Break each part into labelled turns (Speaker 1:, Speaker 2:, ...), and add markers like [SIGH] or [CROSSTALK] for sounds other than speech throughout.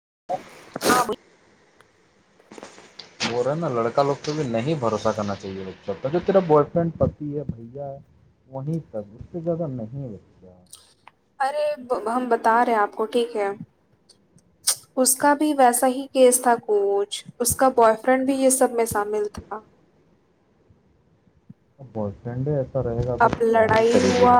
Speaker 1: ह [UNINTELLIGIBLE]
Speaker 2: बोल रहे हैं न लड़का लोगके लिए नहीं भरोसा करना चाहिए पता नहीं तेरा बॉयफ्रेंड पति है भैया है वहीं तक उससे ज्यादा नहीं
Speaker 1: अरे तो हम बता रहे हैं आपको ठीक है
Speaker 2: [INAUDIBLE]
Speaker 1: उसका भी वैसा ही केसथा कोच उसका बॉयफ्रेंड भी ये सबमें शामिल था
Speaker 2: [INAUDIBLE] बॉयफ्रेंडे
Speaker 1: अब लड़ाई हुआ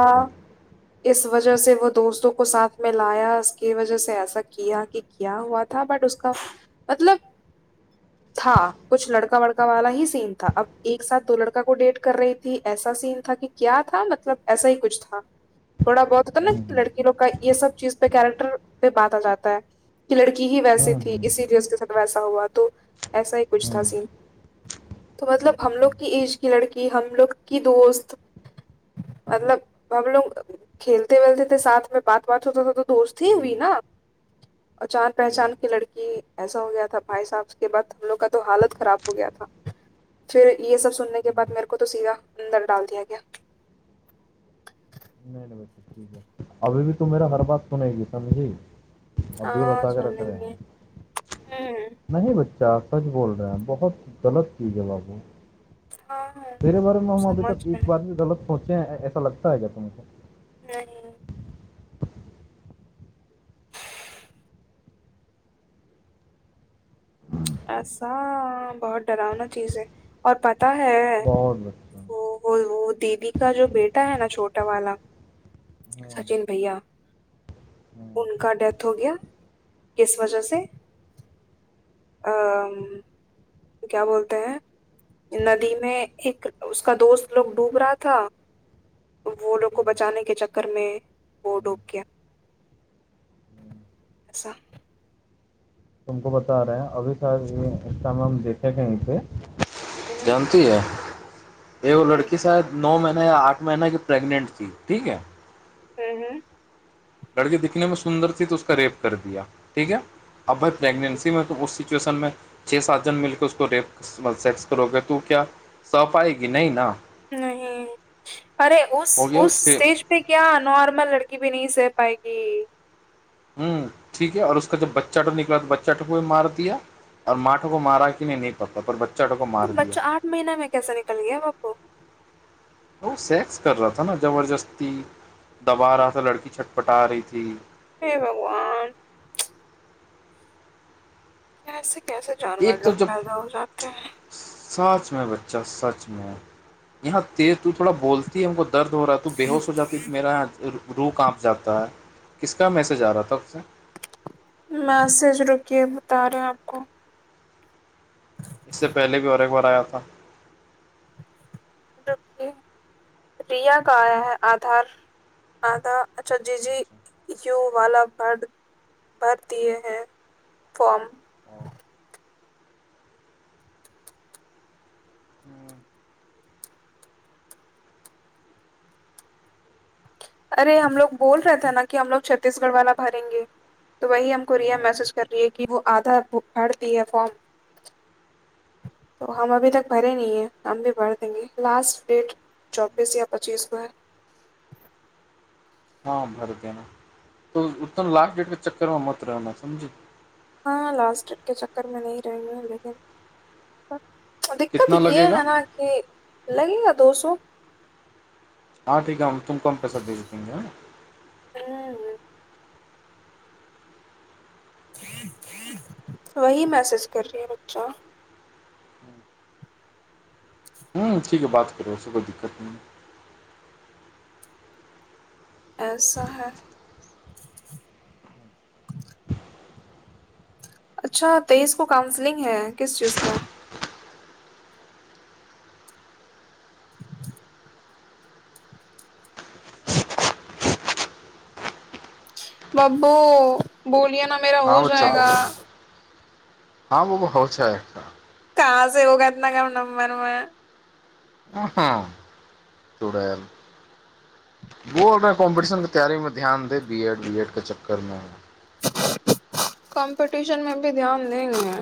Speaker 1: इस वजह से वो दोस्तों को साथमे लाया उसके वजह से ऐसा किया कि क्या हुआ था बट उसका मतलब था कुछ लड़का वड़का वाला ही सीन था अब एक साथ दो लड़का को डेट कर रही थी ऐसा सीन कि क्याथा मतलब ऐसा ही कुछ था थोड़ा बहुत होत ने
Speaker 2: हम्म
Speaker 1: लड़की लोग क ये सब चीज पे कैरेक्टर पे बात आ जाता है कि लड़की ही
Speaker 2: हम्म
Speaker 1: वैसीथी
Speaker 2: हम्म
Speaker 1: इसी केस साथ वैसा हुआ तो ऐसा ही कुछ था सीन
Speaker 2: हम्म
Speaker 1: त
Speaker 2: हम्म,
Speaker 1: मतलब हमलोग की एज की लड़की हमलोग की दोस्त
Speaker 2: [INAUDIBLE]
Speaker 1: मतलब हमलोग खेलते वेलते थे साथमे बात बात होताथा तऽ दोस्ती ही
Speaker 2: हम्म,
Speaker 1: न अचान पहचान क लड़की ऐसा हो गया भााय साहब के बाद हमलोग क त हालत खराब हो गयथ फिर ये सब सुनने के
Speaker 2: हम्म,
Speaker 1: बाद मेरे को तऽ सीधा अन्दर डाल दिया गया
Speaker 2: नहीं नहीं बच्चा ठीक है अभी भी तू मेरा हर बात सुनेगी समझी अभी
Speaker 1: हाँ
Speaker 2: बता के रख रहे
Speaker 1: सुनेंगे
Speaker 2: हैं
Speaker 1: हम्म
Speaker 2: नहि बच्च अच्छा सच बोल रहे हैं बहुत गलत चीज ह बाबू
Speaker 1: हाँ
Speaker 2: मेर बारेमे मे हम अभी
Speaker 1: समझ
Speaker 2: तक
Speaker 1: रहे
Speaker 2: एक
Speaker 1: हैं।
Speaker 2: बार भी गलत पहुँचे है ऐसा लगता है क्या तुम
Speaker 1: नहि ऐसा बहुत डरावना चीजै आओर प ता है
Speaker 2: बहुत बच्चा
Speaker 1: ओ देवी का जो बेटा है न छोटा वाला
Speaker 2: हाँ
Speaker 1: सचिन भैया
Speaker 2: हम्म,
Speaker 1: उनका देथ हो गया किस वजह से अ क्या बोलते हैं नदीमे एक उसका दोस्त लोग डूब रहा था वोलो को बचाने के चक्करमें वो डूब गया ऐसा
Speaker 2: तुमको बता रहे हं अभी स इंस्टा मे हम देखे कही से
Speaker 1: हम्म
Speaker 2: जानती है एगो
Speaker 1: हम्म
Speaker 2: लड़की शायद नौ महीना या आठ महीना कि प्रेग्नेंट थी ठीक है
Speaker 1: हुँ हुँ
Speaker 2: लड़की दिखने मे सुन्दरथी तऽ उसका रेप कर दिया ठीक है अब भइ प्रेगनेंसीमे उस सिचुएशनमे छे सात जन मिलकेऽ उसको रेप सेक्स करोगे तू क्या सफाइ की नहि न
Speaker 1: नही अरे उ
Speaker 2: हो गया
Speaker 1: उस
Speaker 2: फिर
Speaker 1: स्टेज पे क्य नॉर्मल लड़की भी नही सह पाएगी
Speaker 2: हुँ ठीक है उसका जब बच्चा तो निकला तो बच्चा को कोई मार दिया आ माठो को मारा कि नहि पड़ता पर बच्चा तो को
Speaker 1: त
Speaker 2: मार दिया
Speaker 1: बच्चा आठ महीना में कैसा निकल गया बप्पु
Speaker 2: ओ सेक्स कर रहा था न जबरदस्ती दबा रहाथा लड़की छटपटा रही थी
Speaker 1: हे भगवान कैसे कैसे जानवर
Speaker 2: एक तो
Speaker 1: लोग
Speaker 2: जब
Speaker 1: पैदा हो जाते है
Speaker 2: सच मैं बच्चा सच मैं यहाँ तेर तू थोड़ा बोलती है हमको दर्द हो रह ह तू बेहोश हो जाती तू मेरा याथ रू काँप जाता है किसका मैसेज आ रहा तबसे
Speaker 1: मैसेज रुके बता रहे आपको
Speaker 2: इससे पहिले भी और एक बार आया था
Speaker 1: रुकये रिया क आया है आधार आधा अच्छा जी जी यू वाला कार्ड भर दिए हैं फॉर्म
Speaker 2: ओ, हम्म,
Speaker 1: अरे हमलोग बोल रहेथे न कि हमलोग छ्तीसगढ़ वाला भरेंगे तो वही हमको रिया
Speaker 2: हम्म,
Speaker 1: मैसेज कर रहि कि वो आधा भड़दी है फॉर्म तो हम अभी तक भरे नी है हम भी भर देंगे लास्ट देट चौबीस या पच्चीस को है
Speaker 2: हँ भरि देना त उ लास्ट डेट के चक्कर मे मत रहना समझी
Speaker 1: हँ लास्ट के चक्कर में न रह है लेकिन दिक्कत
Speaker 2: कितना
Speaker 1: य है
Speaker 2: लगेगा
Speaker 1: न कि लगेगा दो सो
Speaker 2: हँं ठीक ह हम तुमको हम पैसा भेज देेंगे है न
Speaker 1: हम्म वही मैसेज कर रहीै बच्चा
Speaker 2: हूँ ठीक है बात करबैे कोइ दिक्कत नहि
Speaker 1: ऐसा है अच्छा तेइस को काउंसिलिंग है किस चीज का [INAUDIBLE] ब्बू बोलिया न मेरा हो जाएगा
Speaker 2: हँ वो ब बहुत छै
Speaker 1: क से योगात ने क न मरमे
Speaker 2: हँ चुड़ल बोल रहे कम्पटिशन के तैयारीमे ध्यान दे बी एड वी एड के चक्करमे
Speaker 1: कॉम्पटिशन मे भी ध्यान द देंगे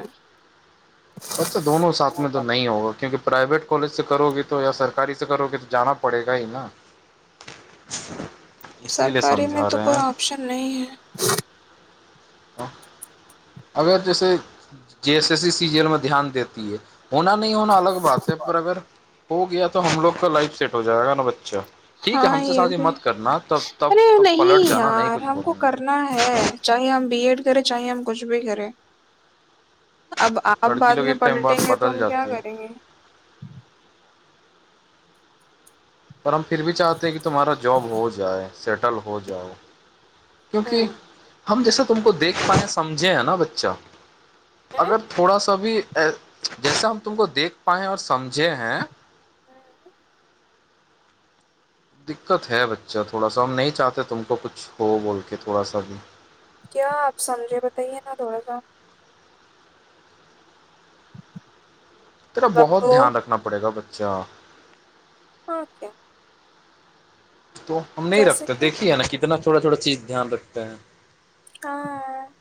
Speaker 2: बचछा दननो साथमे तो नहि होगा क्यंकि प्राइवेट कॉलेज से करोगे तो या सरकारी से करोगे तऽ जाना पड़ेगा ही न [INAUDIBLE]
Speaker 1: सरकारी में तो कोई आऑप्शन न है
Speaker 2: अगर जैसे जस एस ईी सीजल मे ध्यान देती है होना नहि होना अलग बात है पर अगर हो गया त हमलोग का लाइफ सेट हो जाएगा न बच्चा ठीक है
Speaker 1: हँ
Speaker 2: हमसे
Speaker 1: य
Speaker 2: शादी
Speaker 1: भी
Speaker 2: मत करना तब तब
Speaker 1: अरे
Speaker 2: तब पलट
Speaker 1: नह
Speaker 2: जाना नहीं
Speaker 1: यार
Speaker 2: कुछ
Speaker 1: हमको
Speaker 2: बोलेंगे
Speaker 1: करना है चाहे हम बी एड करै चाहे हम कुछु भी करै अब आप
Speaker 2: लड़की लोग
Speaker 1: बादमें
Speaker 2: एक टाइम बाद
Speaker 1: पलटेंगे त
Speaker 2: बदल
Speaker 1: हम क्या
Speaker 2: जाती है
Speaker 1: करेंगे
Speaker 2: पर हम फिर भी चाहतेै कि तुम्हारा जॉब हो जाए सेटल हो जाओ क्योकि
Speaker 1: हम्म
Speaker 2: हम जैसे तुमको देख पाए समझे है न बच्चा
Speaker 1: हैं?
Speaker 2: अगर थोड़ा सा भी जैसे हम तुमको देख पाएं और समझे हैं
Speaker 1: हँ [INAUDIBLE]
Speaker 2: दिक्कत है बच्चा ोड़ा सा हम नहि चाहते तुमको कुछ हो बोलके थोड़ा सा भी
Speaker 1: क्या आप समझे बताइए न थोड़ा सा
Speaker 2: तेरा बहुत
Speaker 1: बब्बू
Speaker 2: ध्यान रखना पड़ेगा बच्चा
Speaker 1: हॅ का
Speaker 2: त हम नहि रखतेै
Speaker 1: कि
Speaker 2: देखिए ने कितना थोड़ा छथोड़ा चीज ध्यान रखते है
Speaker 1: हँ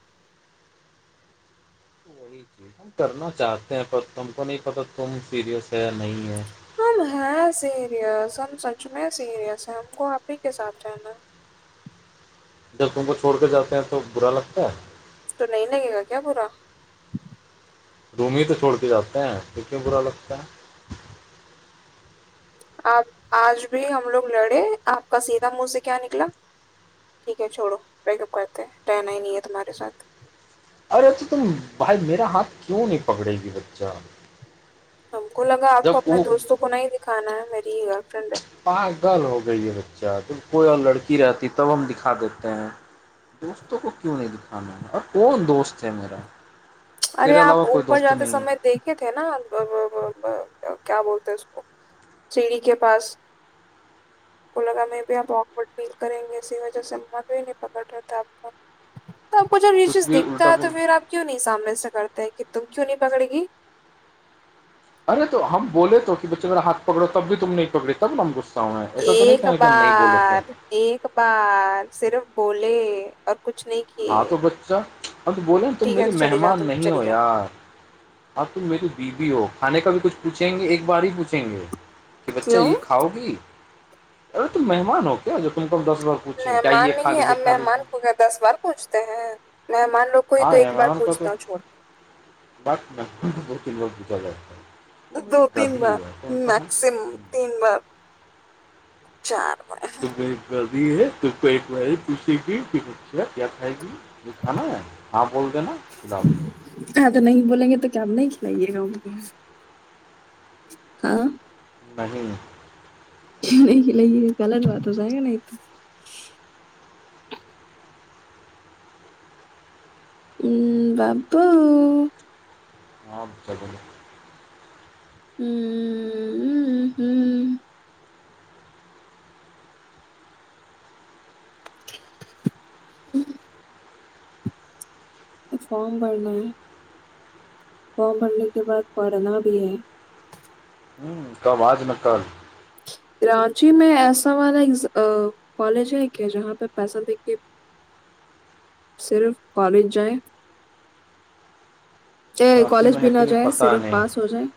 Speaker 2: करना चाहते है पर तुमको नी पता तुम सीरियस है नहीं है
Speaker 1: आ हँ सेर य सनसन जगह सीरियस है हमको अी के साथ रहना
Speaker 2: जब तुमको छोड़ के जाे है तो बुरा लगता है
Speaker 1: तो नं लगेगा क्या बुरा
Speaker 2: रूमी तऽ छोड़ के जाे है त क्यो बुरा लगता है
Speaker 1: आ आज भी हमलोग लड़े आपका सीधा मुँह से क्या निकला ठीक ह छोड़ो पेकअप करत है रहना ही नीै तुम्हारे साथ
Speaker 2: अरे तऽ तुम भाय मेेरा हाथ क्यो नहि पकड़ेगी बच्चा
Speaker 1: हमको लगा आपको
Speaker 2: जब
Speaker 1: अपने दोस्तो को नहि दिखाना मेरी ई ग
Speaker 2: प गल हो गई ह अच्छा तऽ कोइ आर लड़की रहती तब हम दिखा देते है दोस्तो को क्यं नहि दिखाना अ कौन दोस्त है मरा
Speaker 1: अरे आप ऊपर जाे समय देखेथे न क्या बोलतेै उसको सीरीी के पास
Speaker 2: [INAUDIBLE]
Speaker 1: को लगा में भी ऑकवर्ड फील करेंगे इसी वजह से मती न पकड़ रहतापक त आको जब य
Speaker 2: कुछ
Speaker 1: चीज
Speaker 2: भी
Speaker 1: दिखता
Speaker 2: उल्टा
Speaker 1: है तो
Speaker 2: पुल-
Speaker 1: फिर आप क्यों नहि सामने करतै हैं की तुम कियों न पकड़ेगी
Speaker 2: अरे त हम बोले तो कि बच्चे मेरा हाथ पकड़ो तब भी तुम नहि पकड़ी तब ने हम घुस
Speaker 1: एक बार एक बार सिर्फ बोले और कुछ नहीं
Speaker 2: हँं
Speaker 1: किए
Speaker 2: तो बच्चा अब त बोले तुम
Speaker 1: ठीक
Speaker 2: मेे
Speaker 1: है तो चली जाओ
Speaker 2: मेहमान
Speaker 1: तुम
Speaker 2: नहि हो
Speaker 1: चली जाओ
Speaker 2: यार आब तुम मेरी बीबी हो खाने का भी कु पुछेंगे एक बारी पूछेंगे कि बच्चा
Speaker 1: क्यों
Speaker 2: ई खाओगी अरे तुम मेहमान हो क्या जरूरी है
Speaker 1: मेहमान नहि है अब मेहमान
Speaker 2: लीजिए
Speaker 1: को क दस बार पूछते हैं मे मान लोको को ह तो
Speaker 2: हाँ यार
Speaker 1: एक बार
Speaker 2: मेहमान का तो
Speaker 1: पूछताछ छोड़
Speaker 2: क विद्यालय ह
Speaker 1: दो तीन बार मैक्सिमम तीन बार चार बार
Speaker 2: त बी है त एक बारी पूछेी कि बच्चा क्या खायगी दिखा न ह हां बोल देना खिला दें
Speaker 1: लिए हँ
Speaker 2: बहिने
Speaker 1: ख-लै पहिले अलग बात हो जाग नहि तऽ ह बाबू
Speaker 2: हँ च
Speaker 1: हूं हं हूं हं फाम भड़ना है फॉम भरने के बाद पढ़ना भी है
Speaker 2: ह्म कब आज न कल
Speaker 1: राँची मे ऐसा वाला एक अ कॉलेज है का जहाँ पे पैसा देके
Speaker 2: [UNINTELLIGIBLE]
Speaker 1: सिर्फ़ कॉलेज जायें
Speaker 2: रांची
Speaker 1: कॉलेज
Speaker 2: में
Speaker 1: भी
Speaker 2: है कि
Speaker 1: न
Speaker 2: नहीं
Speaker 1: जाय
Speaker 2: पता
Speaker 1: सिर्फ
Speaker 2: नहीं
Speaker 1: पास हो जाए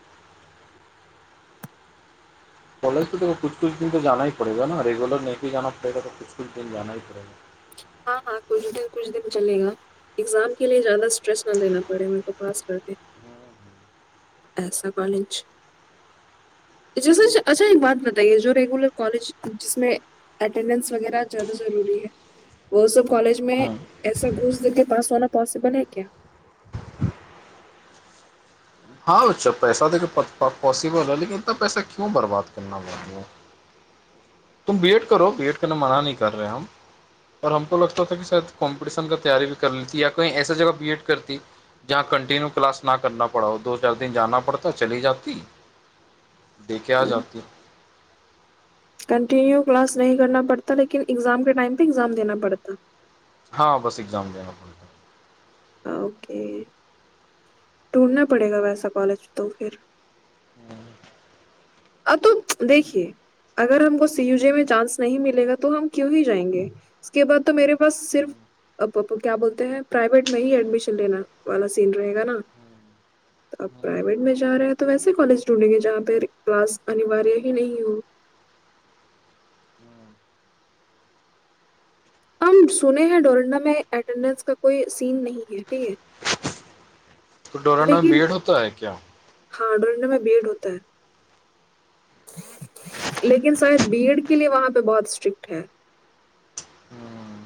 Speaker 2: कालेज तऽ त किछु किछु दिन तऽइ जाना हि पड़ेगा न रेगुलर नहिक जा पड़े तऽ किछु किछु दिन जाना पड़ेगा
Speaker 1: हँ हँ कछ दिन कुछ दिन चलेगा एग्जाम के लए जादा स्ट्रेस न लेना पड़े मेक पास कर दे ऐसा कॉलेज
Speaker 2: [UNINTELLIGIBLE]
Speaker 1: ज स-स अच्छा एक बात बताइए जो रेगुलर कॉलेज जिसमें अटेडेंस वगैरह ज्यादा जरूरी
Speaker 2: [UNINTELLIGIBLE]
Speaker 1: व सब कॉलज में
Speaker 2: हम्म
Speaker 1: ऐसा घूस देके बास होना पॉसिबल है क्या
Speaker 2: हँ अच्छा पैसा देके प -पोसिबल है लेकिन इतना पैसा क्यो बर्बाद करना बाबो तुम बीएड करो बीएड करना मना नहि कर रहे हम पर हमको लगता था कि शायद कॉम्पिटिशन क तयारी भ कर लीती या कहिं ऐसे जगह बी एड करती जहाँ कन्टिन्यू क्लास न करना पड़ा दो चारि दिन जाना पड़ता चली जाति देके आ जाती
Speaker 1: कन्टिन्यू क्लास नहिं करना पड़ता लेकिन एग्जाम के टाइम पे एग्जाम देना पड़ता
Speaker 2: हँ बस एग्जाम देना पड़ता
Speaker 1: ओक ढूंढना पड़ेगा वैसा कॉलेज तो फिर
Speaker 2: हँ
Speaker 1: आ तू देखिए अगर हमको सी यूजे में चानंस नहि मिलेगा त हम क्यूं ही नहीं जाएंगे इसके बाद तो मेर पास सिर्फ
Speaker 2: हम्म,
Speaker 1: अ प्पू क्या बोलत है प्राइवेट मे ही एडमिशन लेना वाला सही रहेगा न त
Speaker 2: हम्म,
Speaker 1: प्राइवेट में जा रहेैऽ वैसे कॉलेज ढूँढेंगे जहाँ पे क्लास अनिवार्य ही न हो
Speaker 2: हम्म।
Speaker 1: आ सुनेहैं डोरना में अटेंडेंस का कोई सीन नहीं है ठीक है
Speaker 2: डोरोनामे बीएड होता है क्या
Speaker 1: हां डोराना में बीएड होता है लेकिन शायद बी एड के लिए वहाँ पे बहुत स्ट्रिक्ट है
Speaker 2: [UNINTELLIGIBLE]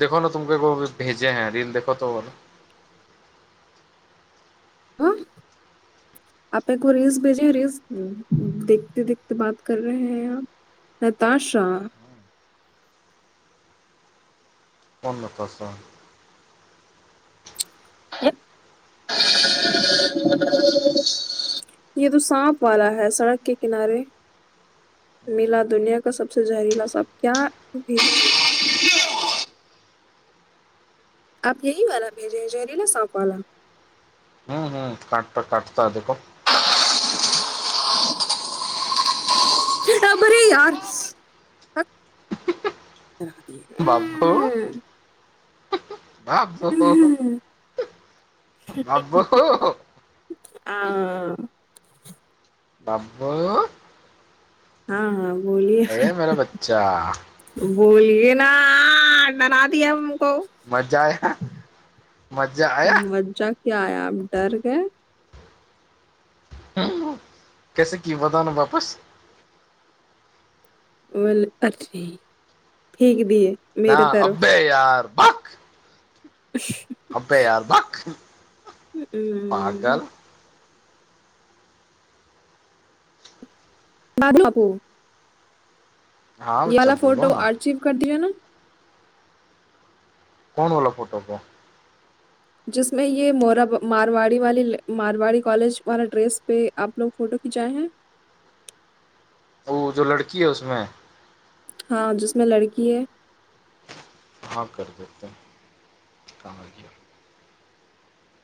Speaker 2: देखो ने तुमके को भेजे है रील देखो तो बोल
Speaker 1: आँ आप एको रेस भेजे रेस देखते देखते बात कर रहे है आ नताशा
Speaker 2: [INAUDIBLE] कहह सँ
Speaker 1: हुँ
Speaker 2: [INAUDIBLE]
Speaker 1: ये तो साँप वाला है सड़क के किनारे मिला दुनिया का सबसे जहरीला सांप क्या
Speaker 2: [INAUDIBLE]
Speaker 1: आप यही वाला भेजे हैं जहरीला साँप वाला
Speaker 2: हम्म काटता काटता देखो
Speaker 1: टोकरी अ - [INAUDIBLE] हुँ म
Speaker 2: अ -ब -बाप ब बाप- [INAUDIBLE]
Speaker 1: आं -
Speaker 2: बबबू-
Speaker 1: हँ हँ बोलिए
Speaker 2: बच्चा
Speaker 1: बोलिये ना डरा दिया उनको हो
Speaker 2: मजा आया मजा आया
Speaker 1: मज्जा- क्या यार डर गये
Speaker 2: हुँ कैसे की बता ना बापस
Speaker 1: बोल अच्छा ठीक दिए
Speaker 2: ना
Speaker 1: मेरे
Speaker 2: अ्बे यार बक
Speaker 1: अ
Speaker 2: अबे यार बक
Speaker 1: हुँ
Speaker 2: पागल
Speaker 1: बापू
Speaker 2: हाँ
Speaker 1: ये
Speaker 2: बच्चा
Speaker 1: वाला
Speaker 2: बोलो
Speaker 1: फोटो
Speaker 2: ना
Speaker 1: आर चीव कर दियऔ ने
Speaker 2: कोनवला फोटो को
Speaker 1: जिसमे ये मोरा मारवाड़ी वाली मारवाड़ी कॉलज वाला ड्रेस पे आपलोग फोटो की जाय हीं
Speaker 2: [INAUDIBLE] ओ जो लड़की है उसमे
Speaker 1: हँ जिसमें लड़की है
Speaker 2: हँ कर देतै कहाँ के